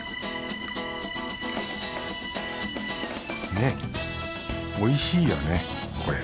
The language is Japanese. ねっおいしいよねこれ。